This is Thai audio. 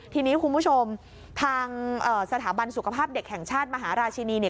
ทีนี้คุณผู้ชมทางสถาบันสุขภาพเด็กแห่งชาติมหาราชินีเนี่ย